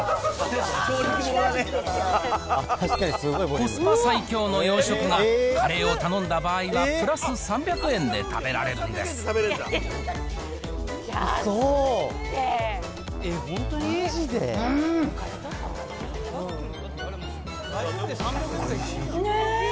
コスパ最強の洋食が、カレーを頼んだ場合はプラス３００円でうーん！ね！